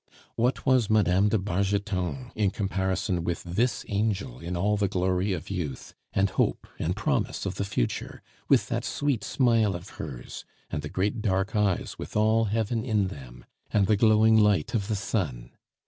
What was Mme. de Bargeton in comparison with this angel in all the glory of youth, and hope, and promise of the future, with that sweet smile of hers, and the great dark eyes with all heaven in them, and the glowing light of the sun?